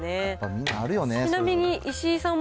みんなあるよね。